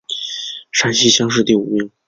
山西乡试第五名。